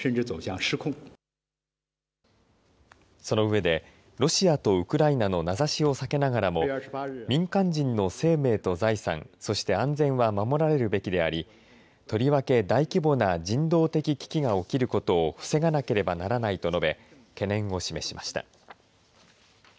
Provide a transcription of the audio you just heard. その上でロシアとウクライナの名指しを避けながらも民間人の生命と財産そして安全は守られるべきでありとりわけ大規模な人道的危機が起きることを防がなければならないと述べ懸念を示しました。